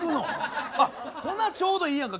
ほなちょうどいいやんか。